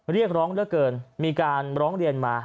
เรียกร้องเหลือเกินมีการร้องเรียนมา